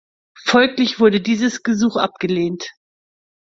Folglich wurde dieses Gesuch abgelehnt.